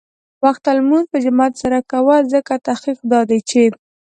وخته لمونځ په جماعت سره کوه، ځکه تحقیق دا دی چې